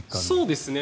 そうですね。